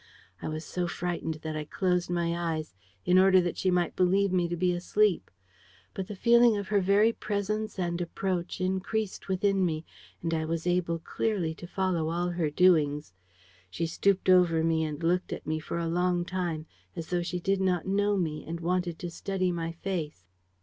I was so frightened that I closed my eyes, in order that she might believe me to be asleep. But the feeling of her very presence and approach increased within me; and I was able clearly to follow all her doings. She stooped over me and looked at me for a long time, as though she did not know me and wanted to study my face.